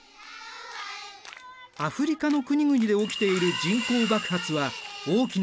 アフリカの国々で起きている人口爆発は大きな原因の一つだ。